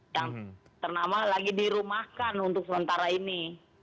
yang ternama lagi dirumahkan untuk sementara ini